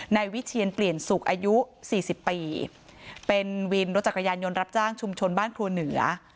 วิเทียนเปลี่ยนสุขอายุสี่สิบปีเป็นวินรถจักรยานยนต์รับจ้างชุมชนบ้านครัวเหนือ